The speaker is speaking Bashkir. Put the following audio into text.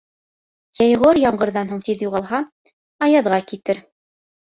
Йәйғор ямғырҙан һуң тиҙ юғалһа, аяҙға китер.